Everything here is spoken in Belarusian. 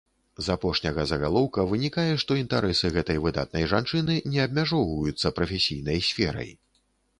З апошняга загалоўка вынікае, што інтарэсы гэтай выдатнай жанчыны не абмяжоўваюцца прафесійнай сферай.